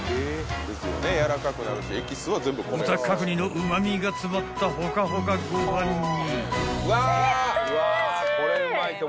［豚角煮のうま味が詰まったほかほかご飯に］